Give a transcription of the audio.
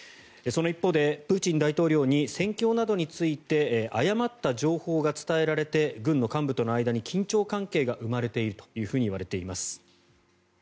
その一方でプーチン大統領に戦況などについて誤った情報が伝えられて軍の幹部との間に緊張関係が生まれているといわれています。